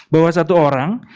bahwa satu orang